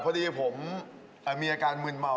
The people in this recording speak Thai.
พอดีผมมีอาการมืนเมา